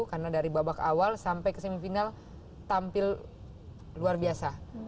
karena dari babak awal sampai ke semifinal tampil luar biasa